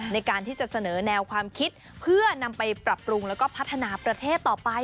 ในการที่จะเสนอแนวความคิดเพื่อนำไปปรับปรุงแล้วก็พัฒนาประเทศต่อไป